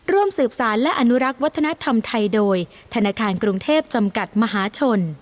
ร่วมสืบสารและอนุรักษ์วัฒนธรรมไทยโดยธนาคารกรุงเทพจำกัดมหาชน